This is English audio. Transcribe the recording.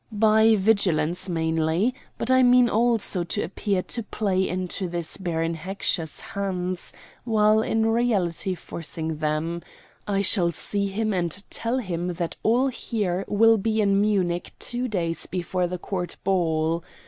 "By vigilance mainly; but I mean also to appear to play into this Baron Heckscher's hands, while in reality forcing them. I shall see him and tell him that all here will be in Munich two days before the Court ball.